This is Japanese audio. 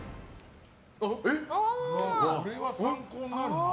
これは参考になるな。